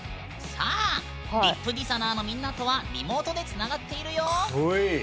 さあＲＩＰＤＩＳＨＯＮＯＲのみんなとはリモートでつながっているよ。